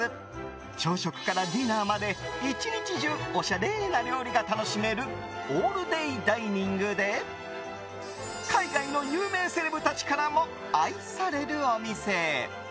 朝食からディナーまで１日中おしゃれな料理が楽しめるオールデイダイニングで海外の有名セレブたちからも愛されるお店。